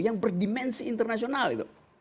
yang berdimensi internasional itu